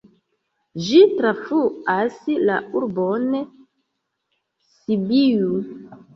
Ĝi trafluas la urbon Sibiu.